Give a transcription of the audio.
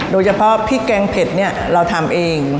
โดยเฉพาะพริกแกงเผ็ดเนี่ยเราทำเอง